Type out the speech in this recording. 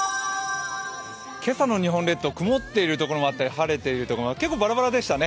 今朝の日本列島、曇っている所があったり晴れている所があったり、結構バラバラでしたね。